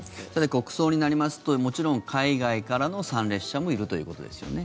国葬になりますともちろん海外からの参列者もいるということですよね。